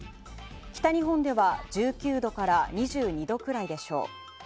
北日本では１９度から２２度くらいでしょう。